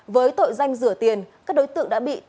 với tội danh rửa tiền các đối tượng đã đưa ra xét xử